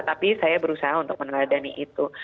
tapi saya berusaha untuk meneladani itu